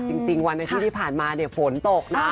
จริงวันที่ที่ผ่านมาฝนตกนะ